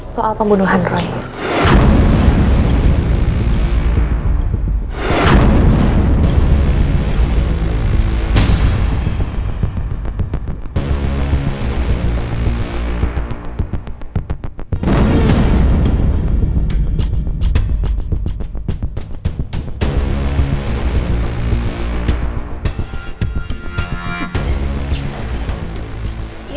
soal pembunuhan roy